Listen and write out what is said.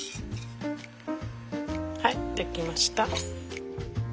はい出来ました。